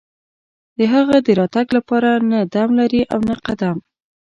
هغه د راتګ لپاره نه دم لري او نه قدم.